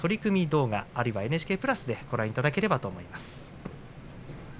動画あるいはＮＨＫプラスでご覧いただければと思います。